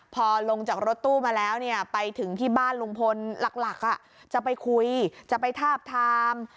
พอลงจากรถตู้มาแล้วเนี่ยไปถึงที่บ้านลุงพลหลักจะไปคุยจะไปทาบทาม